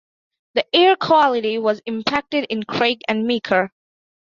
The air quality was impacted in Craig and Meeker.